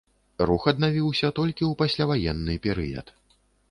Рух аднавіўся толькі ў пасляваенны перыяд.